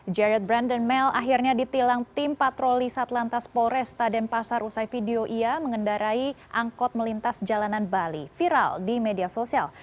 jarod brandon mell akhirnya ditilang tim patroli satlantas polresta denpasar usai video ia mengendarai angkot melintas jalanan bali viral di media sosial